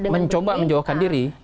mencoba menjauhkan diri